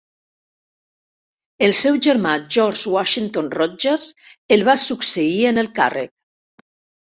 El seu germà George Washington Rodgers el va succeir en el càrrec.